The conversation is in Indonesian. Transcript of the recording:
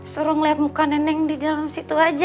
suruh ngeliat muka neneng di dalam situ aja